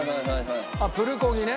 あっプルコギね。